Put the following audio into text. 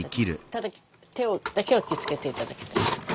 ただ手だけは気をつけていただきたい。